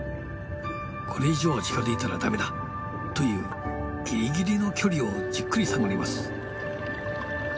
「これ以上近づいたら駄目だ！」というギリギリの距離をじっくり探ります。